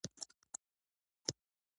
د دې خوځښت په سر کې مارټین لوټر کینګ و.